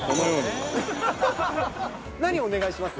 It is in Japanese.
何をお願いします？